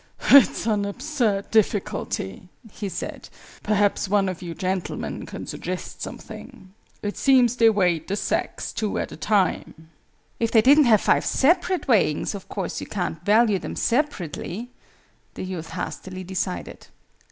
"It's an absurd difficulty," he said. "Perhaps one of you gentlemen can suggest something. It seems they weighed the sacks two at a time!" "If they didn't have five separate weighings, of course you can't value them separately," the youth hastily decided.